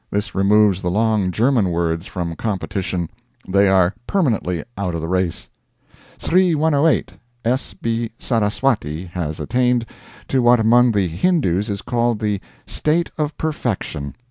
This removes the long German words from competition; they are permanently out of the race. Sri 108 S. B. Saraswati has attained to what among the Hindoos is called the "state of perfection."